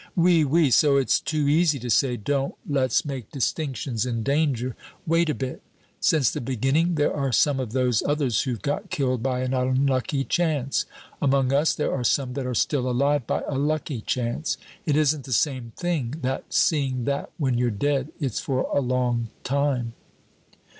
"Oui, oui; so it's too easy to say, 'Don't let's make distinctions in danger!' Wait a bit. Since the beginning, there are some of those others who've got killed by an unlucky chance; among us there are some that are still alive by a lucky chance. It isn't the same thing, that, seeing that when you're dead, it's for a long time."